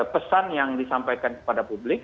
pesan yang disampaikan kepada publik